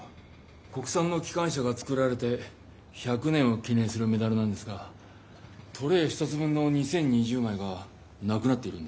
国さんのきかん車がつくられて１００年を記ねんするメダルなんですがトレー１つ分の２０２０枚がなくなっているんです。